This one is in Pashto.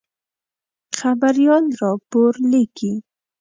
خبریال راپور لیکي.